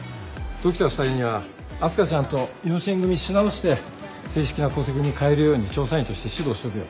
時田夫妻には明日香ちゃんと養子縁組し直して正式な戸籍に変えるように調査員として指導しとくよ。